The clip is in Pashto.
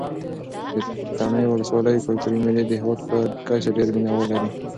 د تڼیو ولسوالۍ کلتوري مېلې د هېواد په کچه ډېر مینه وال لري.